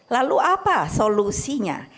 lalu apa solusinya